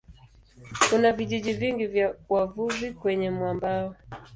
Kuna vijiji vingi vya wavuvi kwenye mwambao.